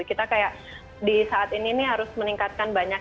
kita kayak di saat ini nih harus meningkatkan banyak